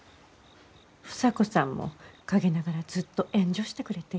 房子さんも陰ながらずっと援助してくれている。